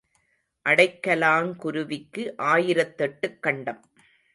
அடைக்கலாங் குருவிக்கு ஆயிரத் தெட்டுக் கண்டம்.